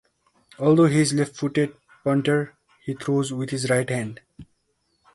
Although he is a left-footed punter, he throws with his right.